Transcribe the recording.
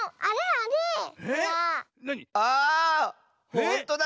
ほんとだ。